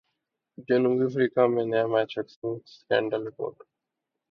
جنوبی افریقہ میں نیا میچ فکسنگ سکینڈل رپورٹ